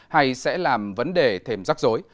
hay sẽ làm vấn đề thêm rắc rối